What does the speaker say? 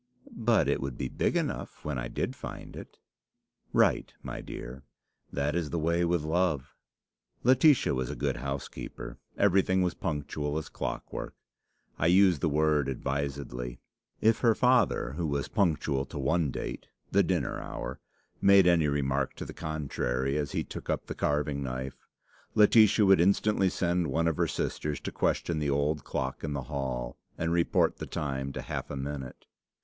"But it would be big enough when I did find it." "Right, my dear. That is the way with love. Laetitia was a good housekeeper. Everything was punctual as clockwork. I use the word advisedly. If her father, who was punctual to one date, the dinner hour, made any remark to the contrary as he took up the carving knife, Laetitia would instantly send one of her sisters to question the old clock in the hall, and report the time to half a minute.